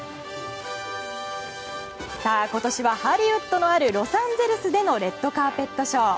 今年はハリウッドのあるロサンゼルスでのレッドカーペットショー。